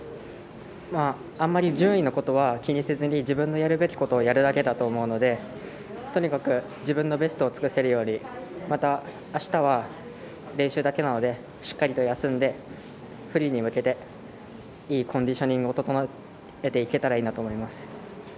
あんまり順位のことは気にせずに自分のやるべきことをやるだけだと思うのでとにかく自分のベストを尽くせるようにまた、あしたは練習だけなのでしっかりと休んでフリーに向けていいコンディショニングを整えていければなと思います。